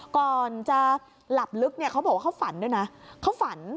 ก่อนจะหลับลึกเขาบอกว่าเขาฝันด้วยนะ